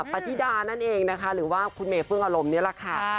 ปฏิดานั่นเองนะคะหรือว่าคุณเมเฟื่องอารมณ์นี่แหละค่ะ